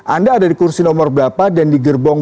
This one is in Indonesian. anda ada di kursi nomor berapa dan di gerbong